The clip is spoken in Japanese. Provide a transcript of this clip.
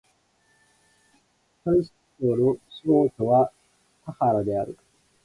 山西省の省都は太原である